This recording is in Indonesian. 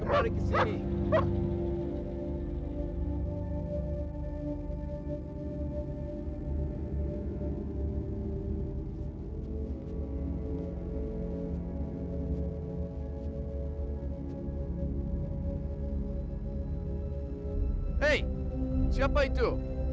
hei siapa itu